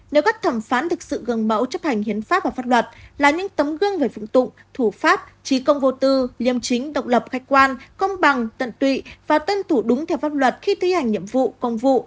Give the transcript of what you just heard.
nếu các thẩm phán thực sự gần mẫu chấp hành hiến pháp và pháp luật là những tấm gương về phụng tụng thủ pháp trí công vô tư liêm chính độc lập khách quan công bằng tận tụy và tuân thủ đúng theo pháp luật khi thi hành nhiệm vụ công vụ